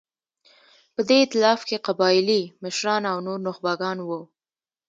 په دې اېتلاف کې قبایلي مشران او نور نخبګان وو.